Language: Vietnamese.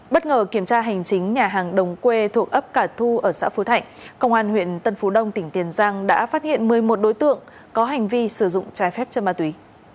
bất ngờ kiểm tra hành chính nhà hàng đồng quê thuộc ấp cả thu ở xã phú thạnh công an huyện tân phú đông tỉnh tiền giang đã phát hiện một mươi một đối tượng có hành vi sử dụng trái phép chân ma túy